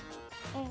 うん。